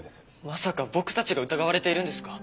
まさか僕たちが疑われているんですか？